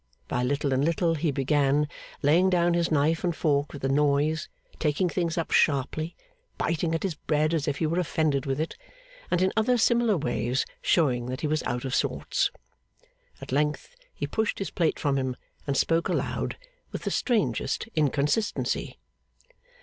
By little and little he began; laying down his knife and fork with a noise, taking things up sharply, biting at his bread as if he were offended with it, and in other similar ways showing that he was out of sorts. At length he pushed his plate from him, and spoke aloud; with the strangest inconsistency.